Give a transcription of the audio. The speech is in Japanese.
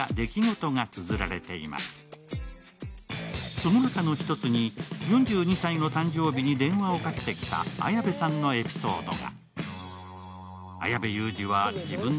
その中の１つに、４２歳の誕生日に電話をかけてきた綾部さんのエピソードが。